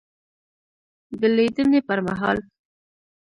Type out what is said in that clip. دلیدني پر مهال